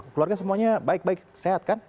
keluarga semuanya baik baik sehat kan